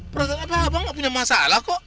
perasaan abe abe gak punya masalah kok